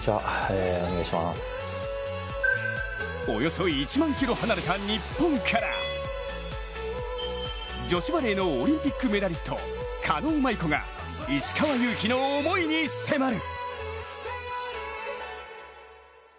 およそ１万ｋｍ離れた日本から女子バレーのオリンピックメダリスト、狩野舞子が石川祐希の思いに迫る。